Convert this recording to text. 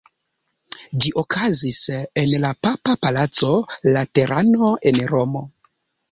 Ĝi okazis en la papa palaco Laterano en Romo.